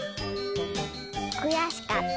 くやしかった。